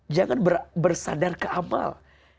jangan bersandar ke amal